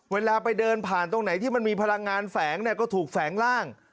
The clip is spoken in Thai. เวลาไปเดินผ่านตรงไหนที่มันมีพลังงานแฝงเนี่ยก็ถูกแฝงร่าง